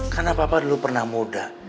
karena papa dulu pernah muda